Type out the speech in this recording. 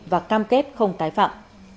và cam kết không tái phạm